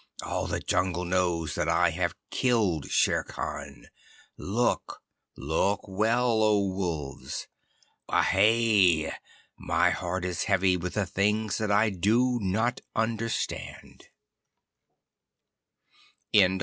All the jungle knows that I have killed Shere Khan. Look look well, O Wolves! Ahae! My heart is heavy with the things that I do not understand.